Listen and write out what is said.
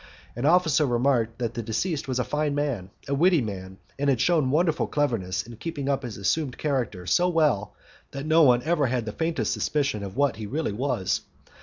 An officer remarked that the deceased was a fine man, a witty man, and had shewn wonderful cleverness in keeping up his assumed character so well that no one ever had the faintest suspicion of what he really was.